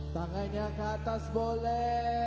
tangannya keatas boleh